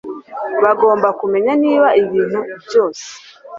bagomba kumenya niba ibintu byose